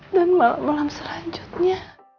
dan malam malam selanjutnya